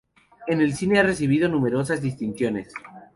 En el cine ha recibido numerosas distinciones.